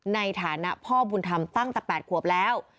ในฐานะพ่อบุญธรรมตั้งแต่๘ขวบแล้ว